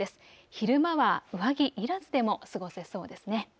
昼間は上着いらずでも過ごすそうですね。